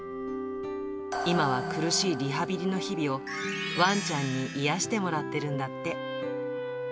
今は苦しいリハビリの日々を、ワンちゃんに癒やしてもらってるんだって。